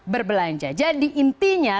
berbelanja jadi intinya